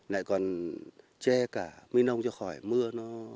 lại còn che cả mi nông cho khỏi mưa